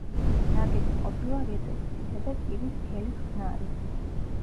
ნაგები ყოფილა რიყის ქვითა და კირის სქელი ხსნარით.